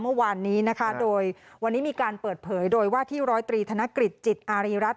เมื่อวานนี้นะคะโดยวันนี้มีการเปิดเผยโดยว่าที่ร้อยตรีธนกฤษจิตอารีรัฐ